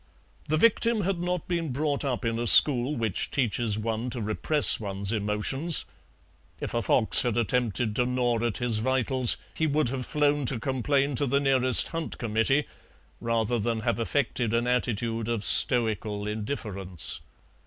The victim had not been brought up in a school which teaches one to repress one's emotions if a fox had attempted to gnaw at his vitals he would have flown to complain to the nearest hunt committee rather than have affected an attitude of stoical indifference.